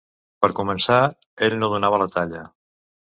Per començar, ell no donava la talla.